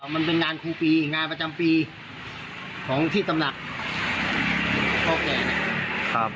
มันเป็นงานครูปีงานประจำปีของที่ตำหนักพ่อแก่เนี่ย